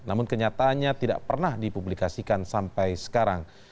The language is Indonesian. namun kenyataannya tidak pernah dipublikasikan sampai sekarang